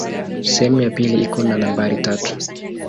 Sehemu ya pili iko na nambari tatu.